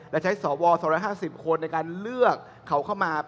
และใช้สว๒๕๐คนในการเลือกเขาเข้ามา